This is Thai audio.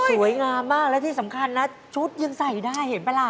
สวยงามมากและที่สำคัญนะชุดยังใส่ได้เห็นปะล่ะ